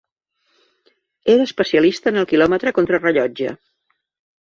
Era especialista en el quilòmetre contrarellotge.